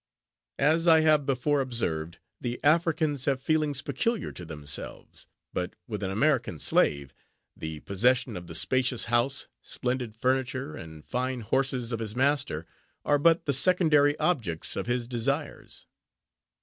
As I have before observed, the Africans have feelings peculiar to themselves; but with an American slave, the possession of the spacious house, splendid furniture, and fine horses of his master, are but the secondary objects of his desires.